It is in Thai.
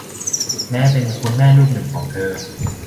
แม้เป็นคุณแม่ลูกหนึ่งของเธอ